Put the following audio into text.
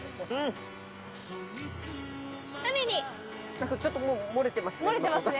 何かちょっともう漏れてますね。